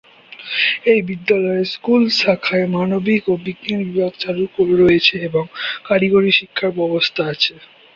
এই বিদ্যালয়ে স্কুল শাখায় মানবিক ও বিজ্ঞান বিভাগ চালু রয়েছে এবং কারিগরি শিক্ষার ব্যবস্থা আছে।